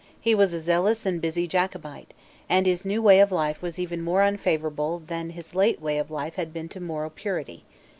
He was a zealous and busy Jacobite; and his new way of life was even more unfavourable than his late way of life had been to moral purity.